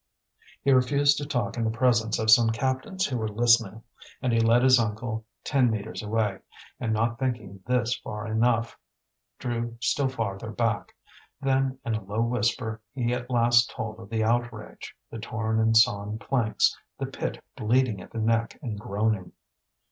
He refused to talk in the presence of some captains who were listening, and led his uncle ten metres away, and not thinking this far enough, drew still farther back; then, in a low whisper, he at last told of the outrage, the torn and sawn planks, the pit bleeding at the neck and groaning.